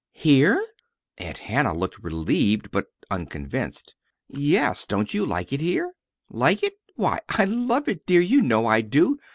"Here!" Aunt Hannah looked relieved, but unconvinced. "Yes. Don't you like it here?" "Like it! Why, I love it, dear. You know I do.